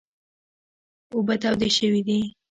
اوبه تودې شوي دي .